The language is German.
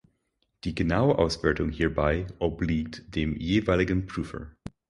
Die genaue Auswertung hierbei obliegt dem jeweiligen Prüfer.